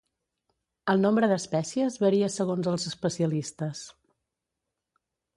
El nombre d'espècies varia segons els especialistes.